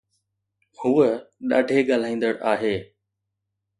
هوءَ ڏاڍي ڳالهائيندڙ آهي